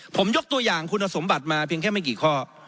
ผมยกตัวอย่างคุณสมบัติมาเพียงแค่ไม่กี่ข้อ